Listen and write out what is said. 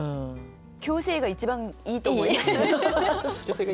「嬌声」が一番いいと思います。